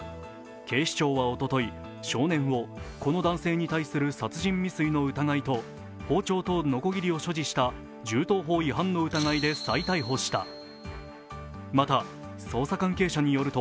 警視庁はおととい、少年をこの男性に対する殺人未遂の疑いと包丁とのこぎりを所持した銃刀法違反の疑いで再逮捕した。